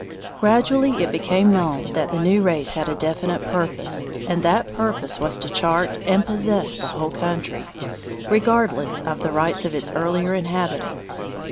Gradually it became known that the new race had a definite purpose, and that purpose was to chart and possess the whole country, regardless of the rights of its earlier inhabitants.